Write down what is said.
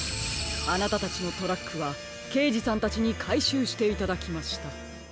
あなたたちのトラックはけいじさんたちにかいしゅうしていただきました。